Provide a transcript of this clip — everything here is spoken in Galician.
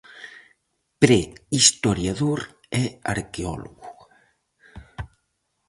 Prehistoriador e arqueólogo.